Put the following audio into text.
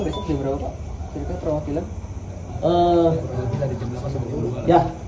jumlah tahap kata perwakilan